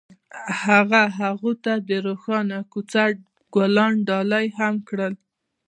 هغه هغې ته د روښانه کوڅه ګلان ډالۍ هم کړل.